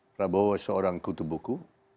prabowo seorang kutub buku